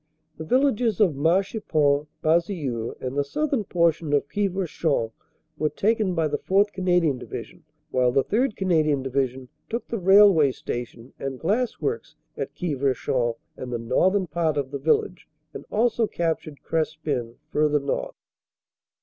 The villages of Marchipont, Baisieux, and the southern portion of Quievrechain were taken by the 4th. Canadian Division, while the 3rd. Canadian Division took the railway station and glassworks at Quievrechain and the northern part of the village, and also captured Crespin fur ther north.